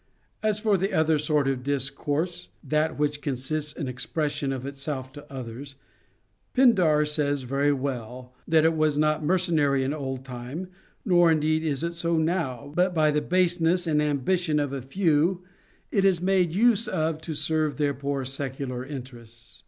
As for the other sort of discourse, that which consists in expression of itself to others, Pin dar says very well, that it was not mercenary in old time, nor indeed is it so now ; but by the baseness and ambi tion of a few it is made use of to serve their poor secular interests.